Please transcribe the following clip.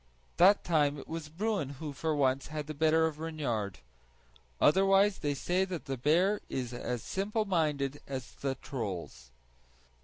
That time it was Bruin who for once had the better of Reynard; otherwise they say the bear is as simple minded as the trolls.